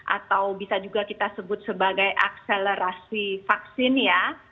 atau bisa juga kita sebut sebagai akselerasi vaksin ya